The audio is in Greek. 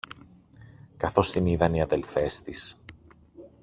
Καθώς την είδαν οι αδελφές της